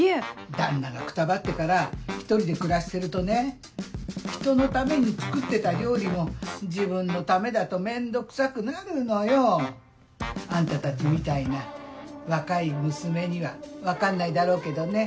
旦那がくたばってから１人で暮らしてるとねひとのために作ってた料理も自分のためだと面倒くさくなるのよ。あんたたちみたいな若い娘には分かんないだろうけどね。